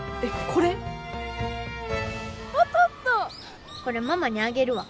これママにあげるわ。